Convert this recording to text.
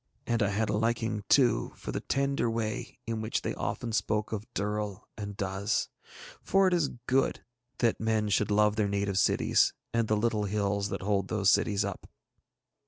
And I had a liking too for the tender way in which they often spoke of Durl and Duz, for it is good that men should love their native cities and the little hills that hold those cities up.